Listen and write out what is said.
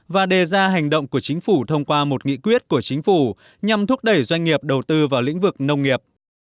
và đề ra hành động của chính phủ thông qua một nghị quyết của chính phủ nhằm thúc đẩy doanh nghiệp đầu tư vào lĩnh vực nông nghiệp